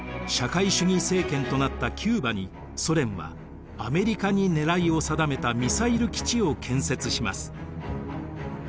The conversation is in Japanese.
社会主義政権となったキューバにソ連はアメリカに狙いを定めたミサイル基地を建設します。